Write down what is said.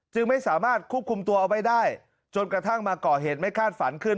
จึงไม่สามารถควบคุมตัวเอาไว้ได้จนกระทั่งมาก่อเหตุไม่คาดฝันขึ้น